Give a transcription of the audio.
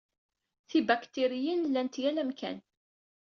Tibaktiryin llant yal amkan.